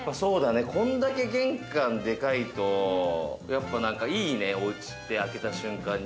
こんだけ玄関でかいと、やっぱなんかいいね、おうちって、開けた瞬間に。